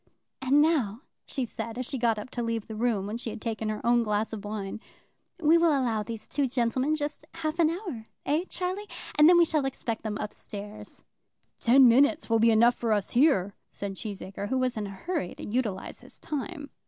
"And now," she said, as she got up to leave the room, when she had taken her own glass of wine, "We will allow these two gentlemen just half an hour, eh Charlie? and then we shall expect them up stairs." "Ten minutes will be enough for us here," said Cheesacre, who was in a hurry to utilize his time.